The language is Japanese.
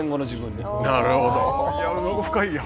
なるほど。